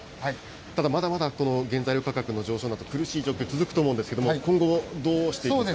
ただまだまだこの原材料価格の上昇など、苦しい状況が続くと思うんですけれども、今後、どうしていきますか。